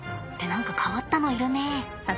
何か変わったのいるね。